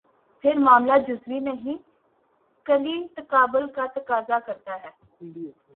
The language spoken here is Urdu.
پھر معاملہ جزوی نہیں، کلی تقابل کا تقاضا کرتا ہے۔